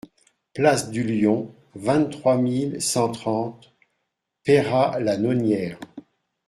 Place du Lion, vingt-trois mille cent trente Peyrat-la-Nonière